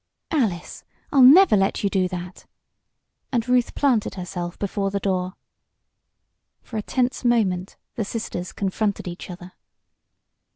"Alice, I'll never let you do that!" and Ruth planted herself before the door. For a tense moment the sisters confronted each other.